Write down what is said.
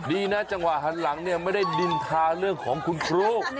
ดีนะจังหวะหันหลังเนี่ยไม่ได้นินทาเรื่องของคุณครู